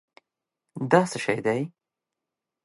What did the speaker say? دا څه شی دی؟